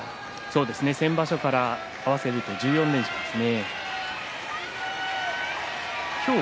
そうですね、先場所から合わせると１４連勝でした。